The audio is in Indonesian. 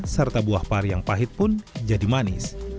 serta buah pari yang pahit pun jadi manis